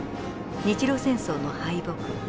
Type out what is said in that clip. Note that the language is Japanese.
日露戦争の敗北。